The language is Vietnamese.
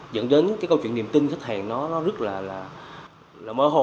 dẫn đến cái câu chuyện niềm tin khách hàng nó rất là mơ hồ